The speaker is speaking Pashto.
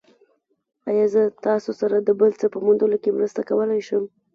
ایا زه تاسو سره د بل څه په موندلو کې مرسته کولی شم؟